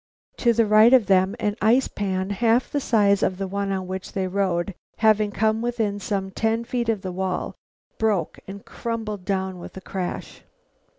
To the right of them an ice pan half the size of the one on which they rode, having come within some ten feet of the wall, broke and crumpled down with a crash.